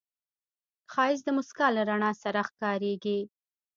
ښایست د موسکا له رڼا سره ښکاریږي